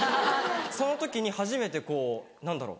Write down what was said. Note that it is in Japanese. その時に初めて何だろう